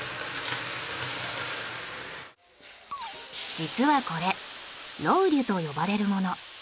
実はこれロウリュと呼ばれるもの。